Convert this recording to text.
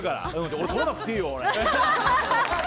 俺、撮らなくていいよ！